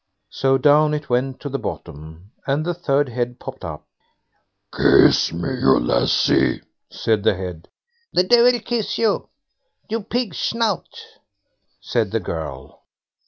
So down it went to the bottom, and the third head popped up. "Kiss me, you lassie", said the head. "The Deil kiss you, you pig's snout", said the girl.